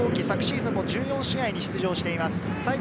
昨シーズンも１４試合に出場しています。